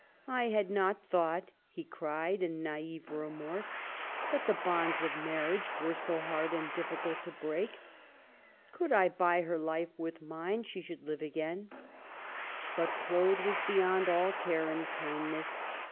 " I had not thought," he cried in naive remorse, " that the bonds of marriage were so hard and difficult to break. Could I buy her life with mine, she SEQUELS. 75 should live again." But Claude was beyond all care and kindness.